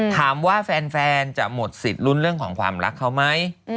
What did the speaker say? ถามว่าแฟนจะหมดสิทธิ์ลุ้นเรื่องของความรักเขาไหม